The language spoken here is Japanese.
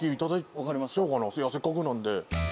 せっかくなんで。